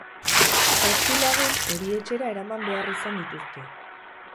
Zazpi lagun erietxera eraman behar izan dituzte.